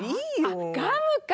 あっガムか！